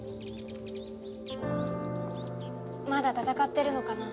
まだ戦ってるのかな？